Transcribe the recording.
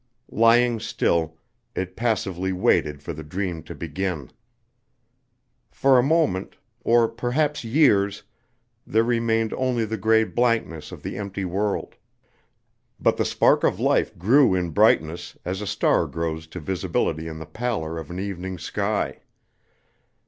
Lying still, it passively waited for the dream to begin. For a moment or perhaps years there remained only the gray blankness of the empty world; but the spark of life grew in brightness as a star grows to visibility in the pallor of an evening sky.